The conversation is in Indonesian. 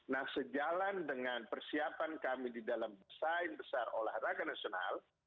nah sejalan dengan persiapan kami di dalam desain besar olahraga nasional